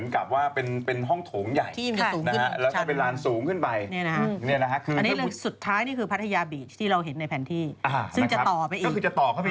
ต้องเป็นรานสูงขึ้นไป